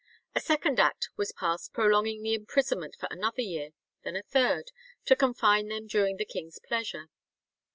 A second act was passed prolonging the imprisonment for another year; then a third, to confine them during the king's pleasure.